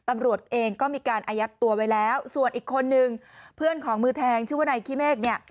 ตำรวจเองก็มีการอายัดตัวไว้แล้วส่วนอีกคนนึงเพื่อนของมือแทงชื่อว่านายขี้เมฆเนี่ย